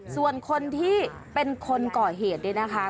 ส่วนคนที่เป็นคนก่อเหตุเนี่ยนะคะ